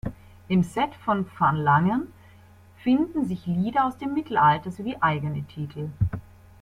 Im Set von van Langen finden sich Lieder aus dem Mittelalter sowie eigene Titel.